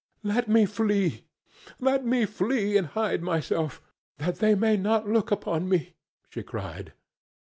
"Let me flee! Let me flee and hide myself, that they may not look upon me!" she cried.